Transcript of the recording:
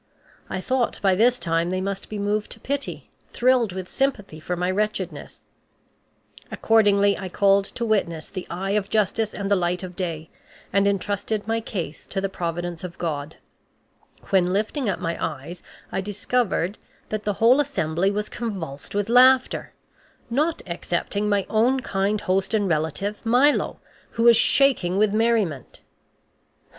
I thought by this time they must be moved to pity, thrilled with sympathy for my wretchedness; accordingly I called to witness the Eye of Justice and the Light of Day, and intrusted my case to the providence of God, when lifting up my eyes I discovered that the whole assembly was convulsed with laughter, not excepting my own kind host and relative, Milo, who was shaking with merriment.